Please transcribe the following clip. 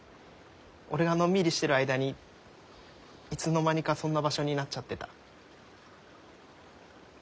俺がのんびりしてる間にいつの間にかそんな場所になっちゃってた。